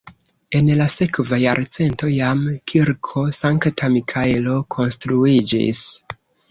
En la sekva jarcento jam kirko Sankta Mikaelo konstruiĝis.